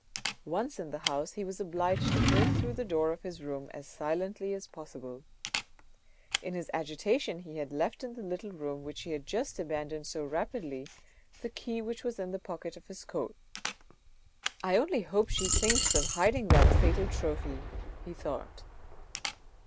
Once in the house he was obliged to break through the door of his room as silently as possible. In his agitation he had left in the little room which he had just abandoned so rapidly, the key which was in the pocket of his coat. " I only hope she thinks of hiding that fatal trophy," he thought.